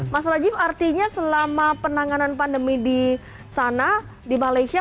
mas rajif artinya selama penanganan pandemi di sana di malaysia